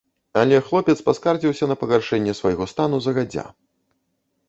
Але хлопец паскардзіўся на пагаршэнне свайго стану загадзя.